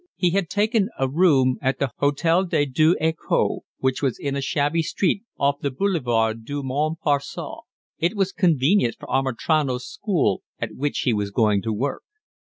He had taken a room at the Hotel des Deux Ecoles, which was in a shabby street off the Boulevard du Montparnasse; it was convenient for Amitrano's School at which he was going to work.